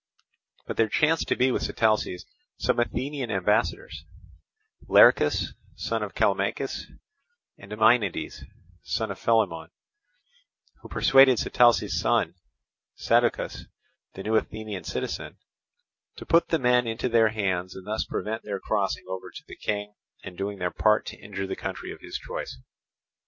But there chanced to be with Sitalces some Athenian ambassadors—Learchus, son of Callimachus, and Ameiniades, son of Philemon—who persuaded Sitalces' son, Sadocus, the new Athenian citizen, to put the men into their hands and thus prevent their crossing over to the King and doing their part to injure the country of his choice.